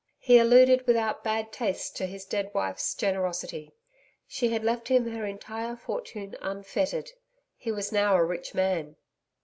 He alluded without bad taste to his dead wife's generosity. She had left him her entire fortune unfettered. He was now a rich man.